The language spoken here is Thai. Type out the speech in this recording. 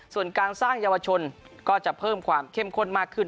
ส่วนการสร้างเยาวชนก็จะเพิ่มความเข้มข้นมากขึ้น